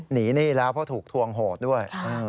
หนี้แล้วเพราะถูกทวงโหดด้วย